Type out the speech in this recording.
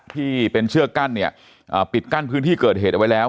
ที่เป็นเชือกกั้นเนี่ยปิดกั้นพื้นที่เกิดเหตุเอาไว้แล้ว